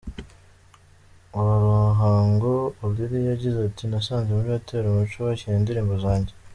wa Ruhango, Olili yagize ati Nasanze muri Hotel Umuco bakina indirimbo zanjye.